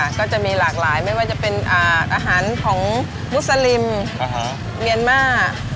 ก็จะมีหลากหลายไม่ว่าจะเป็นอาหารของมุสลิมเมียนมาร์